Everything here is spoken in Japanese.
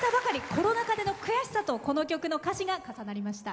コロナ禍での悔しさとこの曲の歌詞が重なりました。